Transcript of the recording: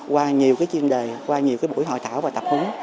qua nhiều chuyên đề buổi hội thảo và tập huấn